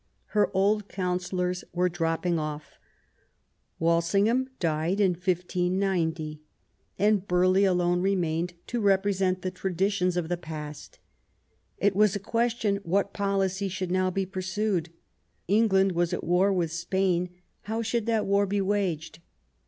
Her old counsellors were dropping off. Walsingham died in 1590, and Burghley alone remained to represent the traditions of the past. It was a question what policy should now be pursued. England was at war with Spain ; how should that war be waged